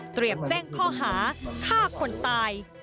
เตรียมแจ้งข้อหาฆ่าคนตาย